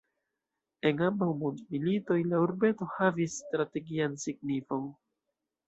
En ambaŭ mondmilitoj la urbeto havis strategian signifon.